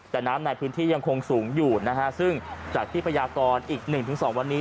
แต่น้ำในพื้นที่ยังคงสูงอยู่นะฮะซึ่งจากที่พยากรอีก๑๒วันนี้